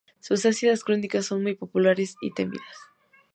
Sus ácidas crónicas son muy populares y temidas.